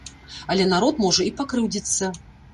Але народ можа і пакрыўдзіцца.